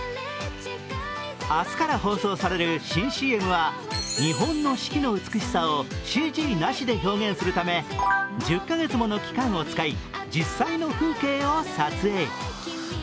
明日から放送される新ＣＭは日本の四季の美しさをＣＧなしで表現するため１０か月もの期間を使い実際の風景を撮影。